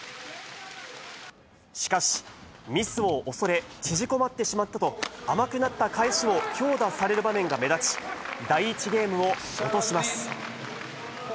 しかし、ミスを恐れ、縮こまってしまったと、甘くなった返しを強打される場面が目立ち、第１ゲームを落とします。